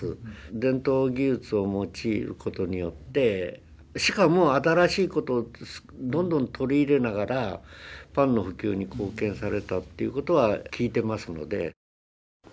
伝統技術を用いることによってしかも新しいことをどんどん取り入れながらパンの普及に貢献されたっていうことは聞いてますので。